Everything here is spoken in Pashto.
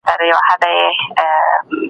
ده د علم سپکاوی نه زغمله.